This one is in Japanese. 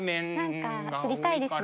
何か知りたいですね。